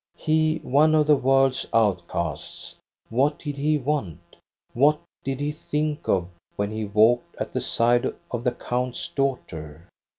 He, one of the world's outcasts, what did he want, what did he think of when he walked at the side of the count's daughter?